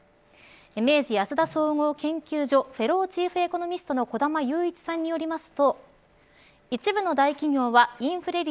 明治安田総合研究所フェローチーフエコノミストの小玉祐一さんによりますと。